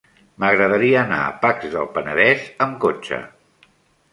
M'agradaria anar a Pacs del Penedès amb cotxe.